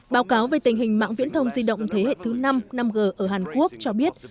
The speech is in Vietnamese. báo cáo về tình hình mạng viễn thông di động thế hệ thứ năm năm g ở hàn quốc cho biết